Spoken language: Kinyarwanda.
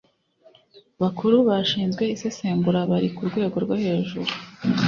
Bakuru bashinzwe isesengura bari ku rwego rwo hejuru